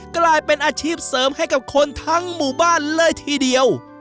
กลายเป็นอาชีพเสริมให้กับคนทั้งหมู่บ้านเลยทีเดียว